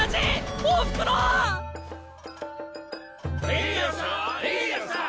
えいやさえいやさ